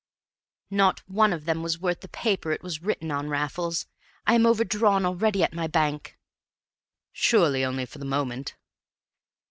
"Not one of them was worth the paper it was written on, Raffles. I am overdrawn already at my bank!" "Surely only for the moment?"